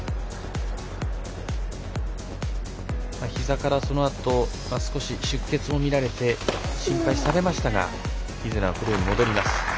ひざから、そのあと少し出血も見られて心配されましたが、イズナープレーに戻ります。